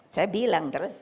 saya bilang terus